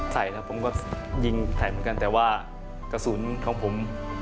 ใส่แล้วผมก็ยิงใส่เหมือนกันแต่ว่ากระสุนของผม